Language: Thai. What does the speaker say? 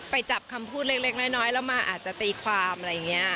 ไปจับคำพูดเล็กน้อยแล้วมาอาจจะตีความอะไรอย่างนี้